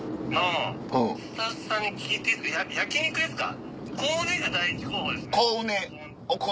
焼肉ですか？